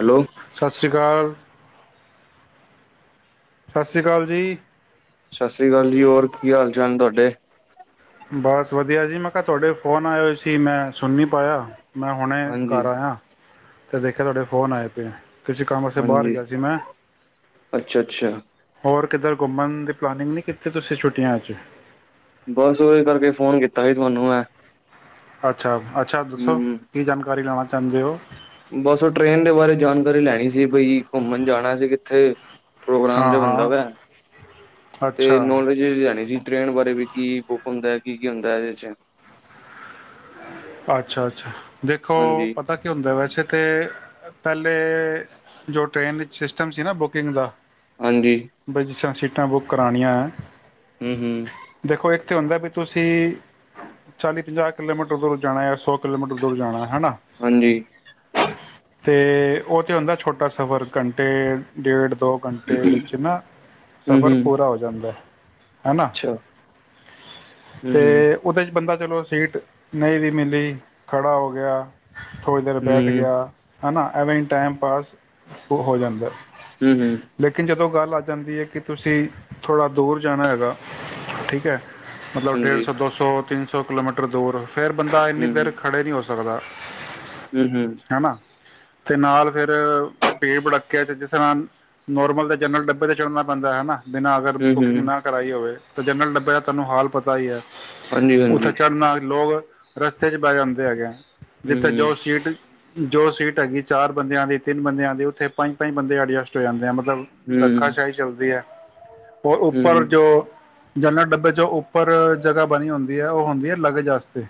Hello ਸਤਿ ਸ੍ਰੀ ਅਕਾਲ ਸਤਿ ਸ਼੍ਰੀ ਅਕਾਲ ਜੀ ਸਤਿ ਸ੍ਰੀ ਅਕਾਲ ਜੀ ਹੋਰ ਕੀ ਹਾਲ ਚਾਲ ਤੁਹਾਡੇ? ਬਸ ਵਧੀਆ ਜੀ ਮੈਂ ਕਿਹਾ ਤੁਹਾਡੇ ਫੋਨ ਆਏ ਹੋਏ ਸੀ ਮੈਂ ਸੁਣ ਨਹੀਂ ਪਾਇਆ ਮੈਂ ਹੁਣੇ ਹਾਂਜੀ ਘਰ ਆਇਆ ਅਤੇ ਦੇਖਿਆ ਤੁਹਾਡੇ ਫੋਨ ਆਏ ਪਏ ਕਿਸੇ ਕੰਮਸੇ ਬਾਹਰ ਹਾਂਜੀ ਗਿਆ ਸੀ ਮੈਂ ਅੱਛਾ ਅੱਛਾ ਹੋਰ ਕਿੱਧਰ ਘੁੰਮਣ ਦੀ ਪਲਾਨਿੰਗ ਨਹੀਂ ਕੀਤੀ ਤੁਸੀਂ ਛੁੱਟੀਆਂ ਅੱ ' ਬਸ ਉਹਓ ਕਰਕੇ ਫੋਨ ਕੀਤਾ ਸੀ ਤੁਹਾਨੂੰ ਹੈ ਅੱਛਾ ਅੱਛਾ ਦੱਸੋ ਕੀ ਜਾਣਕਾਰੀ ਦਵਾ। ਚਾਹੁੰਦੇ ਹੋ? [unintelligible] ਬਸ ਉਹ ਟ੍ਰੇਨ ਦੇ ਬਾਰੇ ਜਾਣਕਾਰੀ ਲੈਣੀ ਸੀ। ੲੈ ਬਈ ਘੁੰਮਣ ਜਾਣਾ ਸੀ ਕਿੱਥੇ, ਪ੍ਰੋਗਰਾਮ ਹਾਂ ਤੇ ਬੰਦਾ ਹਾਂ ਪਿਆ ਹੇ, ਤੇ ਅੱਛਾ ਨੌਲੇਜ ਲੈਣੀ ਸੀ। ਟ੍ਰੇਨ ਬਾਰੇ ਵੀ ਕੀ ਬੁੱਕ ਹੁੰਦਾ ਕੀ ਕੀ ਹੁੰਦਾ ਇਹਦੇ ਚ, ਅੱਛਾ ਅੱਛਾ ਦੇਖੋ ਹਾਂਜੀ ਪਤਾ ਕੀ ਹੁੰਦਾ ਵੈਸੇ ਤੇ ਪਹਿਲੇ ਜੋ ਟ੍ਰੇਨ ਵਿੱਚ ਸਿਸਟਮ ਸੀ ਨਾ ਬੁਕਿੰਗ ਦਾ, ਹਾਂਜੀ ਬਈ ਜਿਸ ਤਰਾ ਸੀ ਸੀਟਾਂ ਬੁੱਕ ਕਰਉਣੀਆਂ ਹੈ। ਹਮ ਹਮ ਇੱਥੇ ਹੁੰਦਾ ਵੀ ਤੁਸੀਂ ਚਾਲੀ ਪੰਜਾਹ ਕਿਲੋਮੀਟਰ ਦੂਰ ਜਾਣਾ ਹੇ ਸੋ ਕਿਲੋਮੀਟਰ ਦੂਰ ਜਾਣਾ ਹਨਾ, ਹਾਂਜੀ ਤੇ ਉਹ ਤਾਂ ਹੁੰਦਾ ਛੋਟਾ ਸਫ਼ਰ ਘੰਟੇ, ਡੇਢ ਦੋ ਘੰਟੇ ਵਿੱਚ ਨਾ ਹਮ ਸਫ਼ਰ ਹਮ ਪੂਰਾ ਹੋ ਜਾਂਦਾ ਹੇ। ਅੱਛਾ ਹਮ ਤੇ ਹਮ ਉਹਦੇ ਚ ਬੰਦਾ ਚਲੋ ਸੀਟ ਨਹੀਂ ਵੀ ਮਿਲੀ ਖੜਾ ਹੋ ਗਿਆ। ਥੋੜ੍ਹੀ ਦੇਰ ਬੈਠ ਹਮ ਗਿਆ। ਹੈ ਨਾ ਐਵੇਨ ਟਾਈਮ ਪਾਸ ਹੋ ਜਾਂਦਾ ਹੇ। ਹੂਂ ਹੂਂ ਜਦੋਂ ਗੱਲ ਆ ਜਾਂਦੀ ਹੈ ਕਿ ਤੁਸੀਂ ਥੋੜਾ ਦੂਰ ਜਾਣਾ ਹੈਗਾ ਠੀਕ ਹੈ, ਮਤਲਬ ਡੇਢ ਹਾਂਜੀ ਸੌ ਦੋ ਸੌ ਤਿੰਨ ਸੌ ਕਿਲੋਮੀਟਰ ਦੂਰ ਫਿਰ ਬੰਦਾ ਇੰਨੀ ਦੇਰ ਖੜੇ ਨਹੀਂ ਹੋ ਸਕ ਹੋ ਸਕਦਾ। ਹੂੰ ਹੂੰ ਹੈ ਨਾ ਤੇ ਨਾਲ ਫਿਰ ਭੀੜ ਭੜੱਕਿਆ ਚ ਜਿਸ ਤਰ੍ਹਾਂ ਨੋਰਮਲ ਤੇ ਜਨਰਲ ਡੱਬੇ ਤੇ ਚੱੜਨਾ ਪੈਂਦਾ ਹਨਾ, ਬਿਨਾਂ ਅਗਰ ਹਮ ਹਮ ਬੁਕਿੰਗ ਹਮ ਨਾ ਕਰਾਈ ਹੋਵੇ। ਤੇ ਜਨਰਲ ਡੱਬੇ ਦਾ ਤੁਹਾਨੂੰ ਹਾਲ ਪਤਾ ਹੀ ਹੈ। ਹਾਂਜੀ ਉੱਥੇ ਹਾਂਜੀ ਚੜਨਾ ਲੋਗ ਰਸਤੇ ਚ ਬੈ ਜਾਉਂਦੇ ਹੈਗੇ ਨੇ। ਹਮ ਜਿੱਥੇ ਹਮ ਜੋ ਸੀਟ ਜੋ ਸੀਟ ਹੈਗੀ ਚਾਰ ਬੰਦਿਆਂ ਦੀ ਤਿੰਨ ਬੰਦਿਆਂ ਦੀ ਉੱਥੇ ਪੰਜ ਪੰਜ ਬੰਦੇ ਐਡਜਸਟ ਹੋ ਜਾਂਦੇ ਆ। ਮਤਲਬ ਮਤਲਬ ਹਮ ਧੱਕਾਸ਼ਾਹੀ ਚੱਲਦੀ ਹੈ। ਹੋਰ ਹਮ ਉੱਪਰ ਹਮ ਜੋ ਜਰਨਲ ਡੱਬੇ 'ਚੋਂ ਉੱਪਰ ਜਗ੍ਹਾ ਬਣੀ ਹੁੰਦੀ ਹੈ, ਉਹ ਹੁੰਦੀ ਹੈ ਲਗਜ ਵਾਸਤੇ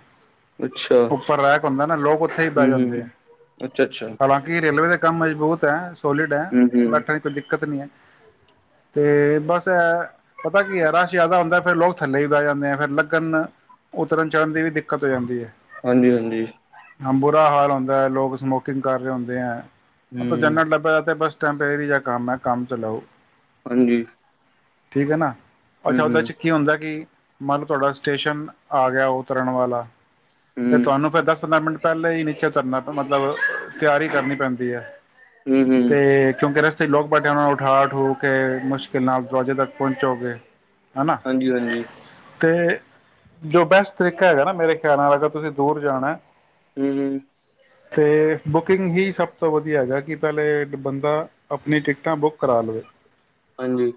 ਅੱਛਾ ਉੱਪਰ ਰਹਿ ਕੇ ਹੁੰਦਾ, ਨਾ ਲੋਕ ਉੱਥੇ ਹੀ ਹੂੰ ਬਹਿ ਹੂੰ ਜਾਂਦੇ ਹੂੰ ਆ ਅੱਛਾ ਅੱਛਾ ਹਾਲਾਂਕਿ ਰੇਲਵੇ ਦੇ, ਕੰਮ ਮਜ਼ਬੂਤ ਹੈ, ਆ ਸੋਲਿਡ ਹੈ, ਹੂੰ ਹੂੰ ਬੈਠਣ ਦੀ ਕੋਈ ਦਿੱਕਤ ਨਹੀਂ ਹੈ। ਤੇ ਬਸ ਹੈ ਪਤਾ ਕੀ ਹੈ। ਰਸ਼ ਜਿਆਦਾ ਹੁੰਦਾ ਫੇਰ ਲੋਕ ਥੱਲੇ ਵੀ ਬਹਿ ਜਾਂਦੇ ਆ, ਫਿਰ ਲੱਗਣ ਉਤਰਨ ਚੜ੍ਹਨ ਦੀ ਵੀ। ਉਤੋ ਜਾਂਦੀ ਹੈ ਹਾਂਜੀ ਹਾਂਜੀ ਅੰਬੋ, ਬੁਰਾ ਹਾਲ ਹੁੰਦਾ ਹੈ, ਲੋਕ ਸਮੋਕਿੰਗ ਕਰ ਰਹੇ ਹੁੰਦੇ ਹੈ। ਆਪਾਂ ਹੂੰ ਜਨਰਲ ਡੱਬੇ ਦਾ ਤਾਂ ਬਸ, ਟੈਂਪਰੇਰੀ ਜਿਹਾ ਕੰਮ ਹੈ ਕੰਮ ਚਲਾਉ ਹਾਂਜੀ। ਠੀਕ ਹੈ, ਨਾ। ਹੂੰ ਅੱਛਾ, ਉਹਦੇ ਹੂੰ ਚ ਕੀ ਹੁੰਦਾ। ਕਿ ਮੰਨਤੁਹਾਡਾ ਸਟੇਸ਼ਨ ਆ ਗਿਆ ਉਤਰਨ ਵਾਲਾ ਤੇ ਹੂੰ ਤੁਹਾਨੂੰ ਫੇਰ ਦਸ ਪੰਦਰਾਂ ਮਿੰਟ, ਪਹਿਲਾਂ ਹੀ ਨੀਚੇ ਉਤਰਨਾ, ਮਤਲਬ ਤਿਆਰੀ ਕਰਨੀ ਪੈਂਦੀ ਹੈ। ਹੂੰ ਹੂੰ 'ਤੇ ਕਿਉਂਕਿ ਰਸ ਜਿੱਥੇ ਲੋਕ ਬੈਠੇ ਆ ਉਹਨਾਂ ਨੂੰ ਉਠੋ ਕੇ ਮੁਸ਼ਕਿਲ ਨਾਲ ਦਰਵਾਜੇ ਤੱਕ ਪਹੁੰਚੋਗੇ। ਹਾਂਜੀ-ਹਾਂਜੀ। ਅਤੇ ਜੋ ਬੈਸਟ ਤਰੀਕਾ ਹੈਗਾ ਨਾ ਮੇਰੇ, ਕਹਿਣ ਦਾ ਮਤਲਬ ਤੁਸੀਂ ਦੂਰ ਜਾਣਾ। ਹਮ-ਹਮ ਤੇ ਬੁਕਿੰਗ ਹੀ ਸਭ ਤੋਂ ਵਧੀਆ ਹੈਗਾ। ਕਿ ਪਹਿਲੇ ਬੰਦਾ ਆਪਣੀ ਟਿਕਟਾਂ ਬੁੱਕ ਕਰਾ ਲਵੇ, ਹਾਂਜੀ।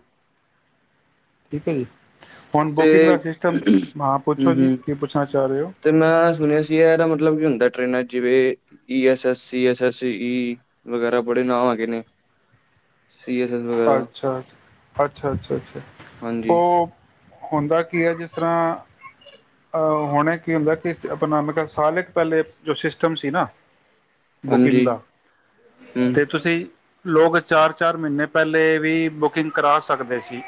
ਠੀਕ ਹੈ ਜੀ। ਹੁਣ ਤੇ ਬੁਕਿੰਗ ਦਾ ਸਿਸਟਮ ਹੂੰ ਹਾਂ ਪੁੱਛੋ ਜੀ, ਹੂੰ ਕੀ ਪੁੱਛਣਾ ਚਾਹ ਰਏ ਹੋ? ਤੇ ਮੈਂ ਸੁਣਿਆ ਸੀ, ਏਦਾ ਮਤਲਬ ਕੀ ਹੁੰਦਾ ਟ੍ਰਰੇਨਾਂ ਚ ਜਿਵੇ E S S, C S S E, ਵਗੈਰਾ ਬੜੇ ਨਾਂ ਹੈਗੇ ਨੇ ਸੀ ਐਸ ਐਸ ਵਗੈਰਾ। ਅੱਛਾ ਅੱਛਾ, ਅੱਛਾ, ਅੱਛਾ ਹਾਂਜੀ ਓ ਹੁੰਦਾ ਕੀ ਐ ਜਿਸ ਤਰਾਂ ਅਹ ਹੋਣਾ ਕੀ ਹੁੰਦਾ ਕਿ ਅਪਨਾ ਸਾਲਕ ਪੈਲੇ ਜੋ ਸਿਸਟਮ ਸੀ ਨਾ ਬੁਕਿੰਗ ਹਾਂਜੀ ਦਾ, ਹੂੰ ਤੇ ਤੁਸੀ ਲੋਕ ਚਾਰ, ਚਾਰ ਮਈਨੇ ਪੈਲੇ ਵੀ ਬੁਕਿੰਗ ਕਰਾ ਸਕਦੇ ਸੀ।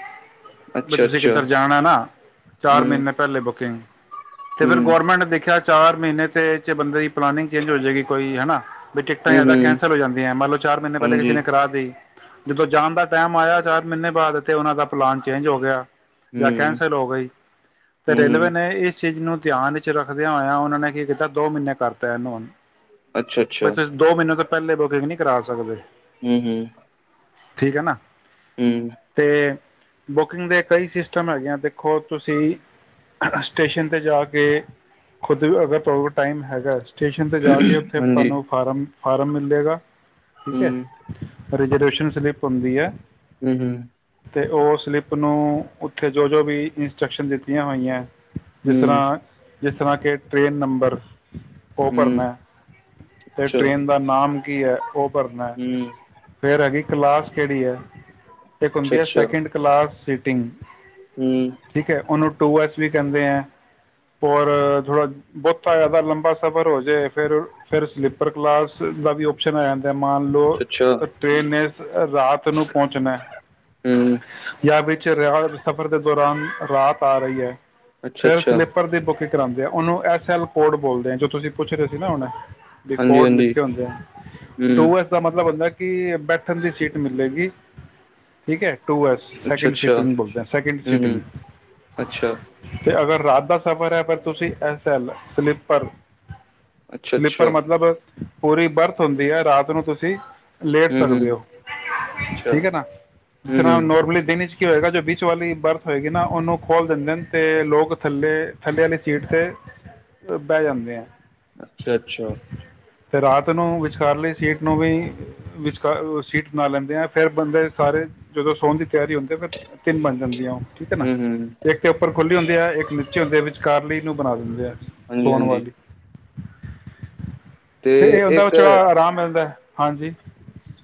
ਵੀ ਅੱਛਾ ਤੁਸੀਂ ਅੱਛਾ ਕਿੱਧਰ ਜਾਣਾ ਨਾ, ਚਾਰ ਹੂੰ ਮਈਨੇ ਪੈਲੇ ਬੁਕਿੰਗ ਤੇ ਫੇਰ ਹੂੰ ਗੋਰਮੈਂਟ ਦੇਖਿਆ ਚਾਰ ਮਹੀਨੇ ਤੇ ਚ ਬੰਦੇ ਦੀ ਪਲਾਨਿੰਗ ਚੇਂਜ ਹੋ ਜਾਏਗੀ ਕੋਈ ਹਨਾ। ਵੀ ਟਿਕਟਾਂ ਹੂੰ ਜਾਦਾ ਹੂੰ ਕੈਂਸਲ ਹੋ ਜਾਂਦੀਆਂ, ਮੰਨ ਲਓ ਚਾਰ ਮਈਨੇ ਪੈਲੇ ਕਿਸੇ ਹਾਂਜੀ ਨੇ ਕਰਾਤੀ ਜਦੋਂ ਜਾਣ ਦਾ ਟਾਈਮ ਆਇਆ ਚਾਰ ਮਹੀਨੇ ਬਾਅਦ ਇੱਥੇ ਉਹਨਾਂ ਦਾ ਪਲਾਨ ਚੇਂਜ ਹੋ ਗਿਆ ਜਾਂ ਹੂੰ ਕੈਂਸਲ ਹੋ ਗਈ ਤੇ ਹੂੰ ਰੇਲਵੇ ਹੂੰ ਨੇ ਇਸ ਚੀਜ਼ ਨੂੰ ਧਿਆਨ ਚ ਰੱਖਦਿਆਂ ਹੋਇਆ ਉਹਨਾਂ ਨੇ ਕੀ ਕੀਤਾ ਦੋ ਮਹੀਨੇ ਕਰਤਾ ਇਹਨੂੰ ਅੱਛਾ ਬ ਅੱਛਾ ਦੋ ਮਹੀਨੇ ਤੋਂ ਪਹਿਲੇ ਬੁਕਿੰਗ ਨਹੀਂ ਕਰਾ ਸਕਦੇ ਹਮ ਹਮ ਠੀਕ ਹੈ ਨਾ ਤੇ ਬੁਕਿੰਗ ਦੇ ਕਈ ਸਿਸਟਮ ਹੈਗੇ ਆ ਦੇਖੋ ਤੁਸੀਂ ਸਟੇਸ਼ਨ ਤੇ ਜਾ ਕੇ ਖੁਦ ਅਗਰ ਤੁਹਾਡੇ ਕੋਲ ਟਾਈਮ ਹੈਗਾ ਸਟੇਸ਼ਨ 'ਤੇ ਜਾ ਕੇ ਉੱਥੇ ਹਾਂਜੀ ਤੁਹਾਨੂੰ ਫਾਰਮ ਫਾਰਮ ਮਿਲ ਜਾਏਗਾ ਠੀਕ ਹੈ ਹੂੰ, ਰੀਜ ਸ਼ਨ ਸਲਿੱਪ ਹੁੰਦੀ ਹੈ ਹਮ ਹਮ ਅਤੇ ਉਹ ਸਲਿੱਪ ਨੂੰ ਉੱਥੇ ਜੋ ਜੋ ਵੀ ਇੰਸਟਰਕਸ਼ਨ ਦਿੱਤੀਆਂ ਹੋਈਆਂ ਜਿਸ ਹੂੰ, ਤਰ੍ਹਾਂ ਜਿਸ ਤਰ੍ਹਾਂ ਕਿ ਟ੍ਰੇਨ ਨੰਬਰ ਉਹ ਹੂੰ, ਭਰਨਾ ਤੇ ਅੱਛਾ, ਟ੍ਰੇਨ ਦਾ ਨਾਮ ਕੀ ਹੈ ਉਹ ਭਰਨਾ ਹੂੰ, ਫੇਰ ਹੈਗੀ ਕਲਾਸ ਕਿਹੜੀ ਹੈ ਇੱਕ ਹੁੰਦੀ ਹੈ ਅੱਛਾ-ਅੱਛਾ, ਸੈਕਿੰਡ ਕਲਾਸ ਤਿੰਨ ਹੂੰ, ਠੀਕ ਹੈ ਉਨੂੰ ਟੂ ਐਸ ਵੀ ਕਹਿੰਦੇ, ਔਰ ਥੋੜਾ ਬਹੁਤਾ ਜ਼ਿਆਦਾ ਲੰਬਾ ਸਫ਼ਰ ਹੋ ਜੇ, ਫਿਰ ਫਿਰ ਸਲੀਪਰ ਕਲਾਸ ਦਾ ਵੀ ਓਪਸ਼ਨ ਆ ਜਾਂਦਾ ਮਾਨ ਲੋ ਅੱਛਾ, ਟ੍ਰੇਨਸ ਰਾਤ ਨੂੰ ਪਹੁੰਚਣਾ ਹੂੰ, ਜਾਂ ਵਿੱਚ ਸਫ਼ਰ ਦੇ ਦੌਰਾਨ ਰਾਤ ਆ ਰਹੀ ਹੈ। ਫੇਰ ਅੱਛਾ-ਅੱਛਾ, ਸਲਿੱਪਰ ਦੀ ਬੁੱਕ ਕਰਾਉਂਦੇ ਆ ਉਹਨੂੰ ਐਸ -ਐਲ-ਕੋਡ ਬੋਲਦੇ ਆ ਜੋ ਤੁਸੀਂ ਪੁੱਛ ਰਹੇ ਸੀ ਨਾ ਹੁਣੇ ਵੀ ਕੋਡ ਹਾਂਜੀ-ਹਾਂਜੀ, ਲਿਖੇ ਹੁੰਦੇ ਆ ਹੂੰ, ਟੂ ਐਸ ਦਾ ਮਤਲਬ ਹੁੰਦਾ ਕਿ ਬ ਥੱਲੀ ਦੀ ਸੀਟ ਮਿਲੇਗੀ ਠੀਕ ਹੈ ਟੂ ਐਸ ਸੈਕਿੰਡ ਅੱਛਾ-ਅੱਛਾ, ਸੀਟਿੰਗ ਬੋਲਦੇ ਏ ਸੈਕਿੰਡ ਹੂੰ, ਹੂੰ, ਸੀਟਿੰਗ ਅੱਛਾ, ਤੇ ਅਗਰ ਰਾਤ ਦਾ ਸਫ਼ਰ ਹੈ। ਫਿਰ ਤੁਸੀਂ ਐਸ ਐਲ ਸਲੀਪਰ ਸਲੀਪਰ ਅੱਛਾ-ਅੱਛਾ, ਮਤਲਬ ਪੂਰੀ ਬਰਥ ਹੁੰਦੀ ਹੈ। ਰਾਤ ਨੂੰ ਤੁਸੀਂ ਲੇਟ ਹੂੰ, ਹੂੰ, ਸਕਦੇ ਹੋ ਅੱਛਾ, ਠੀਕ ਹੈ ਨਾ, ਜਿਸ ਹੂੰ, ਤਰ੍ਹਾਂ ਹੂੰ, ਨੋਰਮਲੀ ਟਰੇਨ ਚ' ਕੀ ਹੋਏਗਾ ਜੋ ਬੀਚ ਵਾਲੀ ਬਰਥ ਹੋਏਗੀ ਨਾ ਉਹਨੂੰ ਖੋਲ ਦਿੰਦੇ ਨੇ ਤੇ ਲੋਕ ਥੱਲੇ- ਥੱਲੇ ਵਾਲੀ ਸੀਟ ਤੇ ਬਹਿ ਜਾਂਦੇ ਏ ਅੱਛਾ, ਅੱਛਾ ਤੇ ਰਾਤ ਨੂੰ ਵਿਚਕਾਰਲੀ ਸੀਟ ਨੂੰ ਵੀ ਵਿਚਕਾਰ ਸੀਟ ਬਣਾ ਲੈਂਦੇ ਆ ਫਿਰ ਬੰਦੇ ਸਾਰੇ ਜਦੋਂ ਸੌਣ ਦੀ ਤਿਆਰੀ ਹੁੰਦੀ ਫਿਰ ਤਿੰਨ ਬਣ ਜਾਂਦੀਆਂ ਉਹ ਠੀਕ ਹੈ ਨਾ ਹੂੰ, ਹੂੰ, ਦੇਖ ਕੇ ਉੱਪਰ ਖੁੱਲ੍ਹੀ ਹੁੰਦੀ ਹੈ ਇੱਕ ਨੀਚੇ ਹੁੰਦੀ ਹੈ ਵਿਚਕਾਰਲੀ ਨੂੰ ਬਣਾ ਦਿੰਦੇ ਆ ਹਾਂਜੀ, ਸੋਣ ਹਾਂਜੀ ਵਾਲੀ ਤੇ ਇਹ ਉਹਦਾ ਇੱਕ ਵਿੱਚ ਆਰਾਮ ਮਿਲਦਾ ਹਾਂਜੀ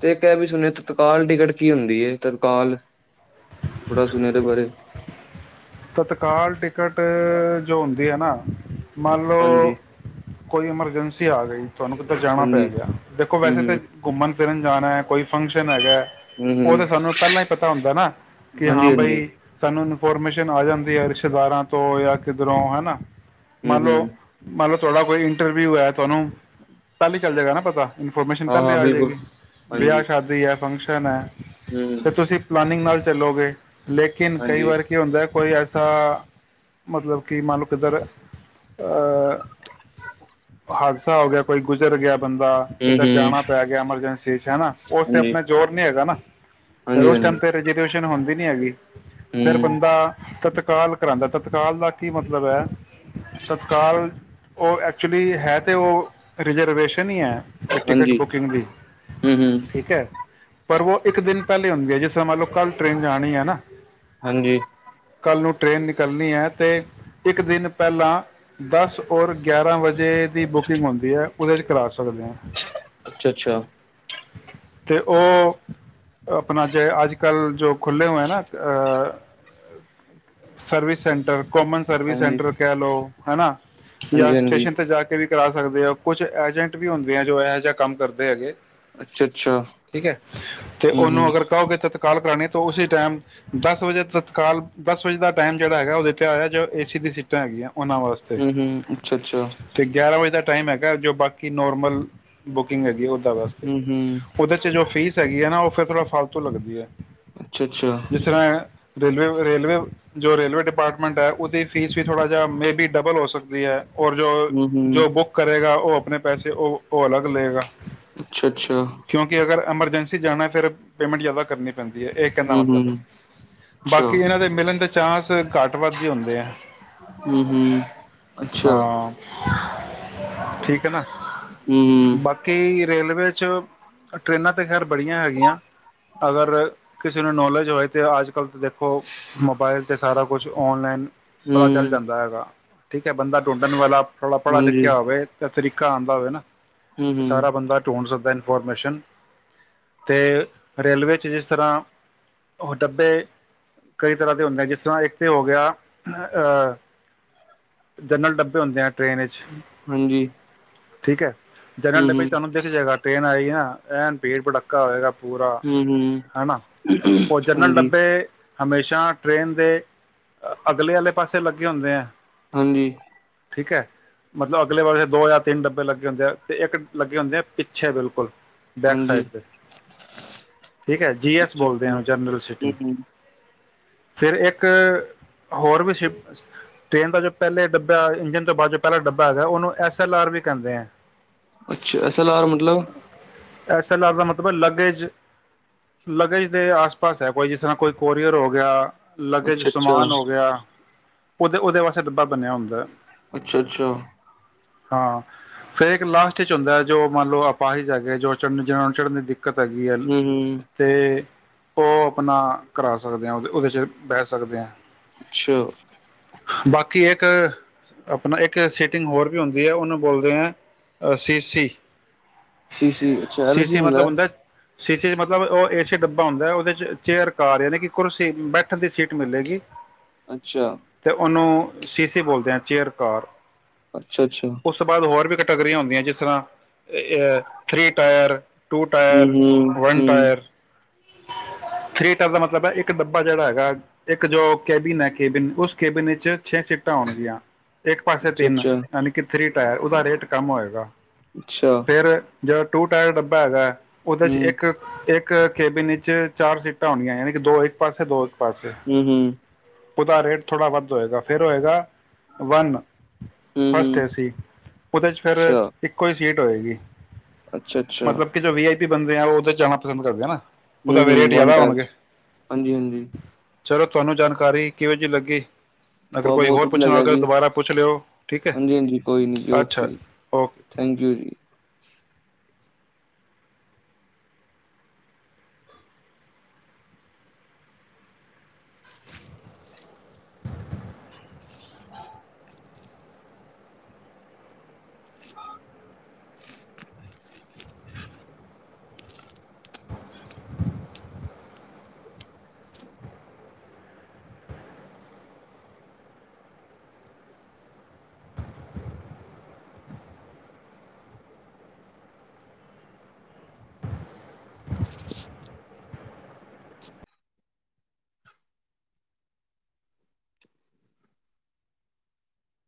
ਤੇ ਇੱਕ ਇਹ ਵੀ ਸੁਣਿਆ ਤਤਕਾਲ ਟਿਕਟ ਕੀ ਹੁੰਦੀ। ਤਤਕਾਲ ਬੜਾ ਸੁਣਿਆ ਇਹਦੇ ਬਾਰੇ ਤਤਕਾਲ ਟਿਕਟ ਜੋ ਹੁੰਦੀ ਹੈ ਨਾ ਮੰਨ ਹਾਂਜੀ, ਲਓ ਕੋਈ ਐਮਰਜੈਂਸੀ ਆ ਗਈ ਤੁਹਾਨੂੰ ਕਿੱਧਰ ਜਾਣਾ ਪੈ ਹਾਂਜੀ, ਗਿਆ ਦੇਖੋ ਹੂੰ, ਵੈਸੇ ਤਾਂ ਹੂੰ, ਘੁੰਮਣ ਫਿਰਨ ਜਾਣਾ ਕੋਈ ਫੰਕਸ਼ਨ ਹੈਗਾ ਹੂੰ, ਉਹ ਹੂੰ, ਤਾਂ ਸਾਨੂੰ ਪਹਿਲਾਂ ਹੀ ਪਤਾ ਹੁੰਦਾ ਨਾ ਕਿ ਹਾਂ ਹਾਂਜੀ-ਹਾਂਜੀ, ਬਾਈ ਸਾਨੂੰ ਫਰਮੇਸ਼ਨ ਆ ਜਾਂਦੀ ਹੈ ਰਿਸ਼ਤੇਦਾਰਾਂ ਤੋਂ ਜਾਂ ਕਿਧਰੋਂ ਹੈਨਾ ਹੂੰ, ਮਨ ਲੋ, ਹੂੰ, ਮਨ ਲੋ ਤੁਹਾਡਾ ਕੋਈ ਇੰਟਰਵਿਊ ਹੈ ਤੁਹਾਨੂੰ ਕੱਲ ਹੀ ਚੱਲ ਜਾਏਗਾ ਨਾ ਪਤਾ ਇਨਫੋਰਮੇਸ਼ਨ ਪਹਿਲੇ ਹਾਂ-ਹਾਂ, ਆ ਬਿਲਕੁਲ, ਜਾਏਗੀ ਹਾਂਜੀ, ਵਿਆਹ, ਸ਼ਾਦੀ ਹੈ ਫੰਕਸ਼ਨ ਤਾਂ ਨਾ ਹੂੰ, ਤੇ ਹੂੰ ਤੁਸੀਂ ਪਲਾਨਿੰਗ ਨਾਲ ਚੱਲੋਗੇ ਲੇਕਿਨ ਕਈ ਹਾਂਜੀ। ਵਾਰ ਕੀ ਹੁੰਦਾ ਕੋਈ ਐਸਾ ਮਤਲਬ ਕਿ ਮੰਾਨ ਲੋ ਕਿੱਧਰ ਹਾਦਸਾ ਹੋ ਗਿਆ ਕੋਈ ਗੁਜ਼ਰ ਗਿਆ ਬੰਦਾ ਕਿੱਧਰ ਹੂੰ-ਹੂੰ। ਜਾਣਾ ਪੈ ਗਿਆ ਐਮਰਜੈਂਸੀ ਚ ਹਨਾ ਉਸ ਤੇ ਹਾਂਜੀ, ਆਪਣੇ ਜ਼ੋਰ ਨੀ ਹੈਗਾ ਨਾ ਫਿਰ ਉਸ ਹਾਂਜੀ-ਹਾਂਜੀ। ਟਾਈਮ ਤੇ ਹੁੰਦੀ ਨੀ ਹੈਗੀ ਫਿਰ ਹੂੰ। ਬੰਦਾ ਤਤਕਾਲ ਕਰਾਉਂਦਾ ਤਤਕਾਲ ਦਾ ਕੀ ਮਤਲਬ ਹੈ ਤਤਕਾਲ ਉਹ ਐਕਚੁਲੀ ਹੈ ਤਾਂ ਉਹ ਰਿਜ਼ਰਵੇਸ਼ਨ ਹੀ ਹੈ ਵੀ ਟਿਕਟ ਹਾਂਜੀ। ਬੁਕਿੰਗ ਦੀ ਹੂੰ-ਹੂੰ। ਠੀਕ ਹੈ ਪਰ ਉਹੋ ਇੱਕ ਦਿਨ ਪਹਿਲੇ ਹੁੰਦੀ ਹੈ ਜਿਸ ਤਰ ਮੰਨਲਬ ਕੱਲ ਟ੍ਰਰੇਨ ਜਾਣੀ ਹੈ ਨਾ ਹਾਂਜੀ ਕੱਲ੍ਹ ਨੂੰ ਟ੍ਰੇਨ ਨਿਕਲਣੀ ਹੈ ਤੇ ਇੱਕ ਦਿਨ ਪਹਿਲਾਂ ਦਸ ਔਰ ਗਿਆਰਾਂ ਵਜੇ ਦੀ ਬੁਕਿੰਗ ਹੁੰਦੀ ਹੈ ਉਹਦੇ ਚ ਕਲਾਸ ਸਕਦੇ ਹ ਅੱਛਾ ਅੱਛਾ ਤੇ ਉਹ ਆਪਣਾ ਜੇ ਅੱਜ ਕੱਲ੍ਹ ਜੋ ਖੁੱਲ੍ਹੇ ਹੋਏ ਨਾ ਅਹ ਸਰਵਿਸ ਸੈਂਟਰ ਕੋਮਨ ਸਰਵਿਸ ਹਾਂਜੀ, ਸੈਂਟਰ ਕਹਿ ਲਓ ਹਨਾ ਜਾਂ ਹਾਂਜੀ-ਹਾਂਜੀ, ਸਟੇਸ਼ਨ ਤੇ ਜਾ ਕੇ ਵੀ ਕਰਾ ਸਕਦੇ ਆ ਕੁਛ ਏਜੰਟ ਵੀ ਹੁੰਦੇ ਆ ਜੋ ਇਹੋ ਜਿਹਾ ਕੰਮ ਕਰਦੇ ਹੈਗੇ ਅੱਛਾ-ਅੱਛਾ, ਠੀਕ ਹੈ ਤੇ ਹੂੰ-ਹੂੰ, ਉਹਨੂੰ ਅਗਰ ਕਹੋਗੇ ਤਾਂ ਕਾਲ ਕਰਨੀ ਤਾਂ ਉਸ ਟਾਈਮ ਦਸ ਵਜੇ ਤ ਕੱਲ੍ਹ ਦਸ ਵਜੇ ਦਾ ਟਾਈਮ ਜਿਹੜਾ ਹੈਗਾ ਉਹ ਦਿੱਤਾਿਆ ਹੋਇਆ ਜੋ ਏ ਸੀ ਦੀ ਸੀਟਾਂ ਹੈਗੀਆਂ ਉਹਨਾਂ ਵਾਸਤੇ ਹੂੰ-ਹੂੰ, ਅੱਛਾ-ਅੱਛਾ, ਤੇ ਗਿਆਰਾਂ ਵਜੇ ਤੱਕ ਟਾਈਮ ਹੈਗਾ ਜੋ ਬਾਕੀ ਨੋਰਮਲ ਬੁਕਿੰਗ ਹੈਗੀ ਉਹ ਵਾਸਤੇ ਹੂੰ-ਹੂੰ। ਉਹਦੇ ਚ ਜੋ ਫੀਸ ਹੈਗੀ ਨਾ ਫਿਰ ਥੋੜਾ ਫਾਲਤੂ ਲੱਗਦੀ ਹੈ ਅੱਛਾ ਅੱਛਾ ਜਿਸ ਤਰ੍ਹਾਂ ਰੇਲਵੇ ਰੇਲਵੇ ਜੋ ਰੇਲਵੇ ਡਿਪਾਰਟਮੈਂਟ ਹੈ ਉਹਦੀ ਫੀਸ ਵੀ ਥੋੜਾ ਜਿਹਾ ਮੇਬੀ ਡਬਲ ਹੋ ਸਕਦੀ ਹੈ ਔ ਜੋ ਹੂੰ-ਹੂੰ। ਜੋ ਬੁੱਕ ਕਰੇਗਾ ਉਹ ਆਪਣੇ ਪੈਸੇ ਉਹ ਉਹ ਅਲੱਗ ਲਏਗਾ ਅੱਛਾ-ਅੱਛਾ, ਕਿਉਂਕਿ ਅਗਰ ਐਮਰਜੈਂਸੀ ਜਾਣਾ ਫਿਰ ਪੇਮੈਂਟ ਜ਼ਿਆਦਾ ਕਰਨੀ ਪੈਂਦੀ ਹੈ ਇਹ ਕਹਿੰਦਾ ਮਤਲਬ ਹੂੰ-ਹੂੰ, ਅੱਛਾ, ਹੂੰ-ਹੂੰ, ਅੱਛਾ, ਹੂੰ-ਹੂੰ, ਬਾਕੀ ਹੂੰ, ਇਹਨਾਂ ਦੇ ਮਿਲਣ ਚਾਂਸ ਘੱਟ ਵੱਧ ਹੁੰਦੇ ਆ ਹੂੰ ਅੱਛਾ ਹੂੰ ਹੂੰ ਅੱਛਾ ਹਾਂ ਠੀਕ ਹੈ ਨਾ ਬਾਕੀ ਰੇਲਵੇ ਜੋ ਟਰੇਨਾਂ ਤੇ ਖੈਰ ਬੜੀਆਂ ਹੈਗੀਆਂ ਅਗਰ ਕਿਸੇ ਨੂੰ ਨੌਲੋਜ ਹੋਏ ਤੇ ਅੱਜ ਕੱਲ ਤਾਂ ਦੇਖ ਖੋ ਮੋਬਾਇਲ 'ਤੇ ਸਾਰਾ ਕੁਛ ਔਨਲਾਈਨ ਪਤਾ ਚੱਲ ਜਾਂਦਾ ਹੈਗਾ ਠੀਕ ਹੈ ਬੰਦਾ ਡੁਬਣ ਵਾਲਾ ਪੜੇ ਲਿਖਿਆ ਹੋਵੇ ਆਉਂਦਾ ਹੋਵੇ ਨਾ ਹੂੰ ਤੇ ਹੂੰ ਸਾਰਾ ਬੰਦਾ ਚੋਣ ਸਕਦਾ ਇਨਫੋਰਮੇਸ਼ਨ ਅਤੇ ਰੇਲਵੇ 'ਚ ਜਿਸ ਤਰ੍ਹਾਂ ਉਹ ਡੱਬੇ ਕਈ ਤਰ੍ਹਾਂ ਦੇ ਹੁੰਦੇ ਆ ਜਿਸ ਤਰ੍ਹਾਂ ਇੱਕ ਤੇ ਹੋ ਗਿਆ ਅਤੇ ਜਨਰਲ ਡੱਬੇ ਹੁੰਦੇ ਨੇ ਹਾਂਜੀ ਠੀਕ ਹੈ ਜਨਰਲ ਡੱਬੇ ਹੂੰ-ਹੂੰ, ਤੁਹਾਨੂੰ ਦੇਖ ਜਾਏਗਾ ਟ੍ਰੇਨ ਆਈ ਨਾ ਐ ਭੀੜ ਪਰਕਾ ਹੋਏਗਾ ਪੂਰਾ ਹੁ ਹੁ ਹਨਾ ਉਹ ਜਨਰਲ ਹਾਂਜੀ ਡੱਬੇ ਹਮੇਸ਼ਾ ਟਰੇੇਨ ਦੇ ਅਗਲੇ ਵਾਲੇ ਪਾਸੇ ਲੱਗੇ ਹੁੰਦੇ ਆ ਹਾਂਜੀ ਠੀਕ ਹੈ ਮਤਲਬ ਅਗਲੇ ਵਾਰ ਦੋ ਜਾਂ ਤਿੰਨ ਡੱਬੇ ਲੱਗੇ ਹੁੰਦੇ ਆ ਤੇ ਇੱਕ ਲੱਗੇ ਹੁੰਦੇ ਆ ਪਿੱਛੇ ਬਿਲਕੁਲ ਬੈਕ ਹਾਂਜੀ, ਸਾਈਡ ਦੇ ਠੀਕ ਹੈ ਜੀ ਐਸ ਬੋਲਦੇ ਅੱਛਾ-ਅੱਛਾ, ਆ ਜਨਰਲ ਸਟਿੰਗ ਹੂੰ-ਹੂੰ, ਫਿਰ ਇੱਕ ਹੋਰ ਵੀ ਸ਼ਿ ਟ੍ਰੇਨ ਦਾ ਜੋ ਪਹਿਲੇ ਡੱਬਾ ਇੰਜਨ ਤੋਂ ਬਾਅਦ ਜੋ ਪਹਿਲਾ ਡੱਬਾ ਹੈਗਾ ਉਹਨੂੰ ਐਸ ਐਲ ਆਰ ਵੀ ਕਹਿੰਦੇ ਆ ਅੱਛਾ ਅਸ ਅਰ ਮਤਲਬ ਐੱਸ ਐੱਲ ਆਰ ਦਾ ਮਤਲਬ ਲਗੇਜ ਲਗੇਜ ਦੇ ਆਸ ਪਾਸ ਹੈ ਕੋਈ ਜਿਸ ਤਰ੍ਹਾਂ ਕੋਈ ਕੋਰੀਅਰ ਹੋ ਗਿਆ ਲੱਗੇ ਜੋ ਅੱਛਾ-ਅੱਛਾ, ਸਮਾਨ ਹੋ ਗਿਆ ਉਹਦੇ ਉਹਦੇ ਵਾਸਤੇ ਡੱਬਾ ਬਣਿਆ ਹੁੰਦਾ ਅੱਛਾ ਅੱਛਾ ਹਾਂ ਫਿਰ ਇੱਕ ਲਾਸਟ ਚ ਹੁੰਦਾ ਹੈ ਜੋ ਮੰਨ ਲਓ ਆਪਾਂਹੀ ਜਾਗੇ ਚੜ੍ਹਨ ਦੀ ਕਤਾਗੀ ਹੂੰ-ਹੂੰ, ਅਤੇ ਉਹ ਆਪਣਾ ਕਰਾ ਸਕਦੇ ਹਾਂ ਉਹਦੇ 'ਚ ਬਹਿ ਸਕਦੇ ਹਾਂ ਅੱਛਾ ਬਾਕੀ ਇੱਕ ਆਪਣਾ ਇੱਕ ਸੀਟਿੰਗ ਹੋਰ ਵੀ ਹੁੰਦੀ ਹੈ ਉਹਨੂੰ ਬੋਲਦੇ ਹੈ ਸੀ ਸੀ ਸੀ ਸੀ ਸਹਿਰ ਚੇ ਹੁੰਦਾ ਸੀ ਸੀ ਚ ਮਤਲਬ ਉਹ ਏ ਸੀ ਡੱਬਾ ਹੁੰਦਾ ਹੈ ਉਹਦੇ ਚੇਅਰ ਕਾਰ ਜਾਨੇ ਕਿ ਕੁਰਸੀ ਬੈਠਣ ਦੀ ਸੀਟ ਮਿਲੇਗੀ ਅੱਛਾ। ਤੇ ਉਹਨੂੰ ਸੀ ਬੋਲਦੇ ਆ ਚੇਅਰ ਕਾਰ ਅੱਛਾ-ਅੱਛਾ, ਉਸ ਤੋਂ ਬਾਅਦ ਹੋਰ ਵੀ ਤਕਰੀਆ ਹੁੰਦੀਆਂ ਜਿਸ ਤਰ੍ਹਾਂ ਥਰੀ ਟਾਇਰ ਟੂ ਟਾਇਰ ਹੂੰ-ਹੂੰ, ਵਨ ਹੂੰ ਟਾਇਰ ਥ੍ਰੀ ਟਾਇਰ ਦਾ ਮਤਲਬ ਹੈ ਇੱਕ ਡੱਬਾ ਜਿਹੜਾ ਹੈਗਾ ਇੱਕ ਜੋ ਕੈਬੀਨ ਹ ਕੈਬੀਨ ਉਸ ਕੇਬੀਨੇ ਚ ਛੇ ਸੀਟਾਂ ਹੋਣਗੀਆਂ ਇੱਕ ਪਾਸੇ ਤਿੰਨ ਅੱਛਾ-ਅੱਛਾ, ਅੱਛਾ ਯਾਨੀ ਕਿ ਥਰੀ ਟਾਈਰ ਉਹਦਾ ਰੇਟ ਕੰਮ ਹੋਏਗਾ ਅੱਛਾ ਫਿਰ ਜਿਹੜਾ ਟੂ ਟਾਈਮ ਡੱਬਾ ਹੈਗਾ ਉਹਦੇ ਚ ਹੂੰ। ਇੱਕ ਇੱਕ ਕੈਬਿਨ ਵੀਚ ਚਾਰ ਸੀਟਾਂ ਆਉਣੀਆਂ ਯਾਨੀ ਕਿ ਦੋ ਇੱਕ ਪਾਸੇ ਦੋ ਪਾਸੇ ਹਮ ਹਮ ਉਹਦਾ ਰੇਟ ਥੋੜਾ ਵੱਧ ਹੋਏਗਾ ਫਿਰ ਹੋਏਗਾ ਵਨ ਫਸਟ ਹੂੰ-ਹੂੰ, ਹੈ ਸੀਟ ਉਹਦੇ ਚ ਫਿਰ ਇੱਕੋ ਹੀ ਸਿਟ ਹੋ ਏ ਗੀ ਅੱਛਾ ਅੱਛਾ ਬੰਦੇ ਆ ਉੱਥੇ ਜਾਣਾ ਪਸੰਦ ਕਰਦੇ ਆ ਨਾ ਉਹਦਾ ਹਮ ਵੀ ਰੇਟ ਹਮ ਵਨ ਜ਼ਿਆਦਾ ਟਾਇਰ ਹੋਣਗੇ ਚ ਹਾਂਜੀ ਹਾਂਜੀ ਚਲੋ ਤੁਹਾਨੂੰ ਜਾਣਕਾਰੀ ਕਿਹੋ ਜਿਹੀ ਲੱਗੀ ਅਗਰ ਕੋਈ ਬਹੁਤ-ਬਹੁਤ ਹੋਰ ਵਧੀਆ ਪੁੱਛਣ ਲੱਗ ਲੱਗਿਆ ਗਿਆ ਜੀ, ਦੁਬਾਰਾ ਪੁੱਛ ਲਿਓ ਠੀਕ ਹ ਹਾਂਜੀ-ਹਾਂਜੀ ਕੋਈ ਨੀ ਜੀ ਓਕੇ ਅੱਛਾ ਜੀ, ਓਕੇ ਥੈਂਕ ਯੂ ਜੀ। ਹਾ